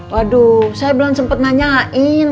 waduh saya belum sempat nanyain